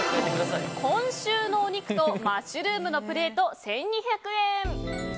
今週のお肉とマッシュルームのランチプレート、１２００円。